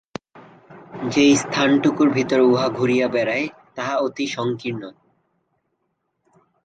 যে স্থানটুকুর ভিতর উহা ঘুরিয়া বেড়ায়, তাহা অতি সঙ্কীর্ণ।